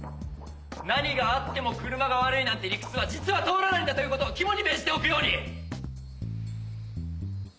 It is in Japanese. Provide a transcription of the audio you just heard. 何があっても車が悪いなんて理屈は実は通らないんだという事を肝に銘じておくように！